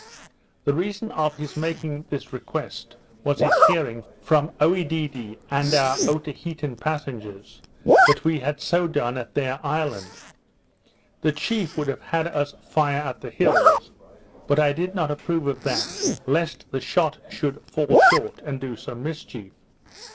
The reason of his making this request was his hearing, from Oedidee, and our Otaheitean passengers, that we had so done at their island. The chief would have had us fire at the hills; but I did not approve of that, lest the shot should fall short and do some mischief.